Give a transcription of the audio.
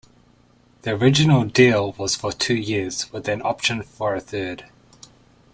The original deal was for two years with an option for a third.